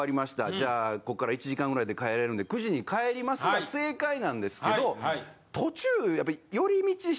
じゃあこっから１時間ぐらいで帰れるんで９時に帰りますが正解なんですけど。